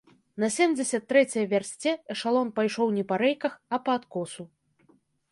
На семдзесят трэцяй вярсце эшалон пайшоў не па рэйках, а па адкосу.